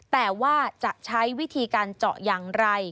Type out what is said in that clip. แต่ว่าจะใช้วิธีการเจาะอย่างไร